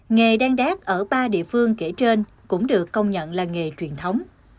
nghề đan đác ở ba địa phương kể trên cũng được công nhận là nghề truyền thống